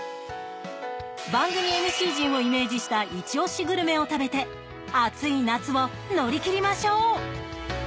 番組ＭＣ陣をイメージしたイチ押しグルメを食べて暑い夏を乗り切りましょう。